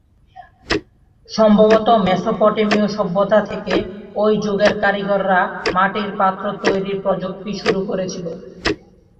সম্ভবত মেসোপটেমীয় সভ্যতা থেকে ঐ যুগের কারিগররা মাটির পাত্র তৈরির প্রযুক্তি শুরু করেছিল।